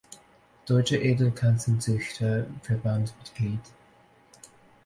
Deutsche Edelkatzenzüchter-Verband" Mitglied.